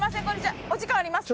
お時間ありますか？